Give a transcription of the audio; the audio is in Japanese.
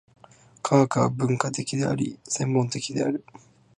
科学は分科的であり、専門的である。